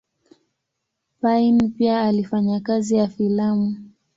Payn pia alifanya kazi ya filamu.